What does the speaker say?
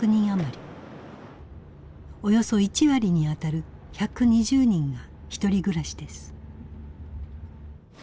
およそ１割に当たる１２０人がひとり暮らしです。